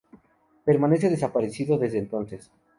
Permanece desaparecido desde entonces.